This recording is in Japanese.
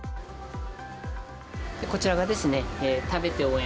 こちらがですね、食べて応援！